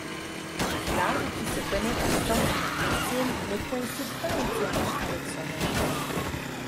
L’âme, qui se connaît par sentiment intime, ne coïncide pas entièrement avec son être.